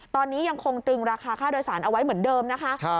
ตอนนี้ยังคงตึงราคาค่าโดยสารเอาไว้เหมือนเดิมนะคะ